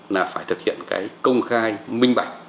là phải thực hiện cái công khai minh bạch